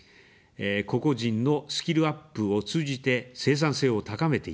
個々人のスキルアップを通じて生産性を高めていきます。